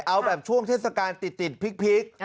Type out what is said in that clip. เอาแบบช่วงเทศกาลติดพริก